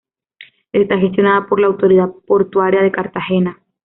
Está gestionada por la autoridad portuaria de Cartagena.